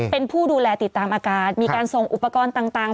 เป็นผู้ดูแลติดตามอาการมีการส่งอุปกรณ์ต่าง